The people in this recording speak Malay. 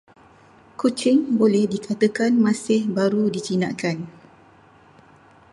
Kucing boleh dikatakan masih baru dijinakkan.